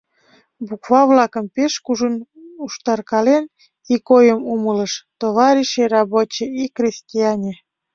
Буква-влакым пеш кужун уштаркален, ик ойым умылыш: «Товарищи рабочие и крестьяне!»